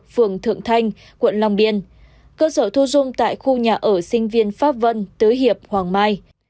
phường thượng thanh quận long biên cơ sở thu dung tại khu nhà ở sinh viên pháp vân tứ hiệp hoàng mai